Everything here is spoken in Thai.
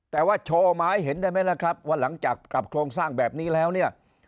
แต่ว่าโชว์มาให้เห็นได้ไหมล่ะครับว่าหลังจากกลับโครงสร้างแบบนี้แล้วเนี่ย